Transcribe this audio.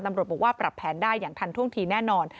ตำรวจบอกว่าปรับแผนได้อย่างทันท่วงทีแน่นอน